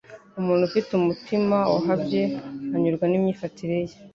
Umuntu ufite umutima wahabye anyurwa n’imyifatire ye